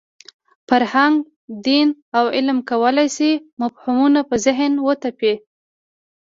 فرهنګ، دین او علم کولای شي مفهومونه په ذهن وتپي.